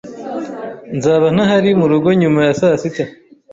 Nzaba ntahari murugo nyuma ya saa sita